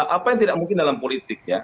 apa yang tidak mungkin dalam politik ya